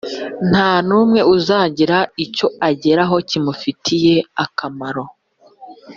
nta n’umwe uzagira icyo ageraho kimufitiye akamaro.